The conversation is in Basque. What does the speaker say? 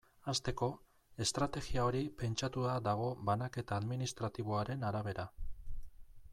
Hasteko, estrategia hori pentsatua dago banaketa administratiboaren arabera.